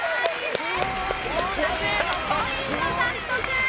ボーナス５ポイント獲得。